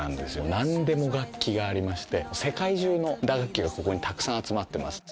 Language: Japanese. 何でも楽器がありまして世界中の打楽器がここにたくさん集まってます。